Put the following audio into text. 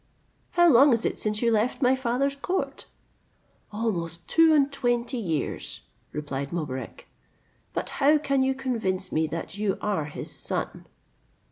"How long is it since you left my father's court?" "Almost two and twenty years," replied Mobarec; "but how can you convince me that you are his son?"